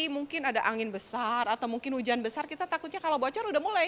mungkin ada angin besar atau mungkin hujan besar kita takutnya kalau bocor udah mulai